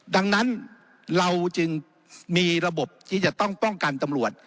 ดังนั้นเราจึงมีระบบที่จะต้องป้องกันตำรวจ